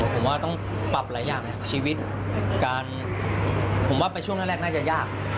ผมว่าต้องปรับหลายอย่างในชีวิตการผมว่าไปช่วงแรกน่าจะยาก